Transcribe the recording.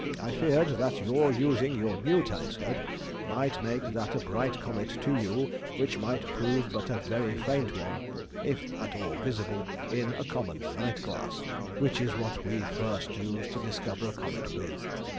I feared that your using your new telescope might make that a bright comet to you which might prove but a very faint one, if at all visible, in a common night glass, which is what we first use to discover a comet with.